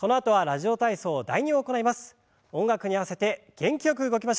「ラジオ体操第２」。